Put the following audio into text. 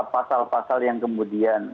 pasal pasal yang kemudian